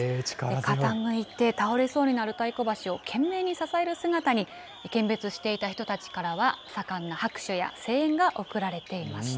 傾いて倒れそうになる太鼓橋を懸命に支える姿に見物していた人たちからは盛んな拍手や声援が送られていました。